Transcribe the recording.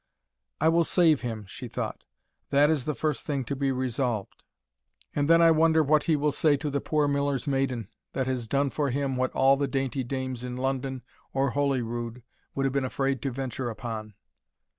"I will save him," she thought, "that is the first thing to be resolved and then I wonder what he will say to the poor Miller's maiden, that has done for him what all the dainty dames in London or Holyrood would have been afraid to venture upon."